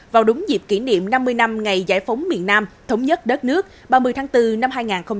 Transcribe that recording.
vào đúng dịp kỷ niệm năm mươi năm ngày giải phóng miền nam thống nhất đất nước ba mươi tháng bốn năm hai nghìn hai mươi